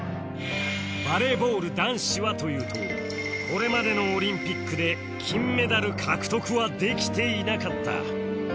バレーボール男子はというとこれまでのオリンピックで金メダル獲得はできていなかった